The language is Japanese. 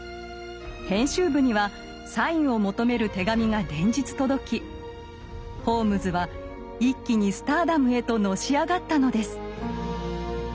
編集部にはサインを求める手紙が連日届きホームズは一気にスターダムへとのし上がったのです。